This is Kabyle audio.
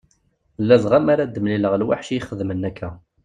Ladɣa mi ara d-mlileɣ lweḥc iyi-xedmen akka.